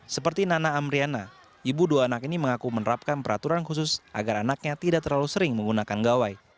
seperti nana amriana ibu dua anak ini mengaku menerapkan peraturan khusus agar anaknya tidak terlalu sering menggunakan gawai